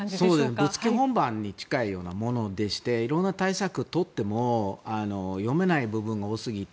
ぶっつけ本番に近いようなものでして色んな対策を取っても読めない部分が多すぎて。